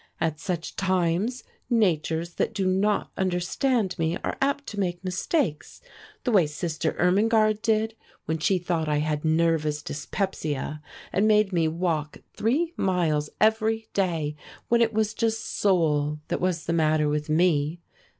At such times natures that do not understand me are apt to make mistakes, the way Sister Irmingarde did when she thought I had nervous dyspepsia and made me walk three miles every day, when it was just Soul that was the matter with me.